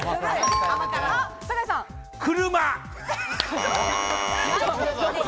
車！